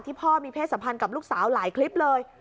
พ่อมีเพศสัมพันธ์กับลูกสาวหลายคลิปเลย